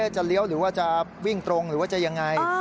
จะเลี้ยวหรือว่าจะวิ่งตรงหรือว่าจะยังไง